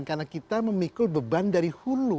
karena kita memikul beban dari hulu